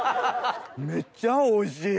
めっちゃおいしい！